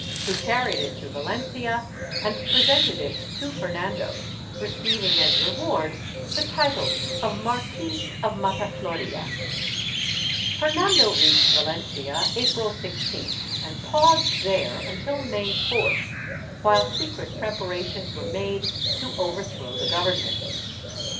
422 DECADENCE AND EXTINCTION [Book IX who carried it to Valencia and presented it to Fernando, receiving as reward the title of Marquis of Mataflorida/ Fernando reached Valencia April 16th and paused there until May 4th, while secret preparations were made to overthrow the government.